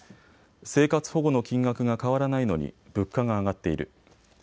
生活保護の金額が変わらないのに物価が上がっている。